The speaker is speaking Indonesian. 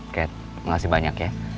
kat kasih banyak ya